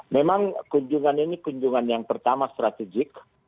memang kunjungan ini kunjungan yang pertama strategik